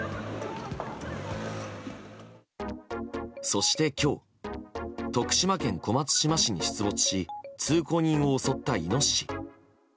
そして今日徳島県小松島市に出没し通行人を襲ったイノシシ。